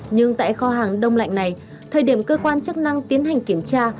nhưng tại kho hàng đông lạnh này thời điểm cơ quan chức năng tiến hành kiểm tra